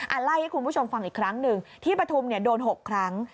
อ่านไล่ให้คุณผู้ชมฟังอีกครั้งหนึ่งที่ประทุมโดน๖ครั้ง